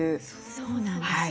そうなんですよ。